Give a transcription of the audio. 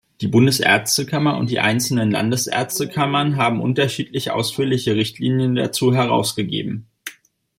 Die Bundesärztekammer und die einzelnen Landesärztekammern haben unterschiedlich ausführliche Richtlinien dazu herausgegeben.